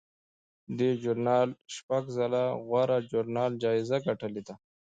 دې ژورنال شپږ ځله د غوره ژورنال جایزه ګټلې ده.